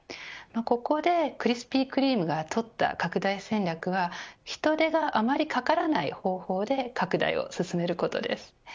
ここでクリスピー・クリーム・ドーナツがとった拡大戦略は人手があまりかからない方法で拡大を進めることです。